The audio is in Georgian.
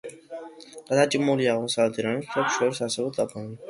გადაჭიმულია აღმოსავლეთ ირანის მთებს შორის არსებულ ტაფობში.